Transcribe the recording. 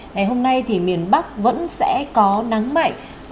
ngày hôm nay thì miền bắc vẫn sẽ có nắng mạnh